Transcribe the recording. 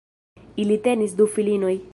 Ili tenis du filinoj.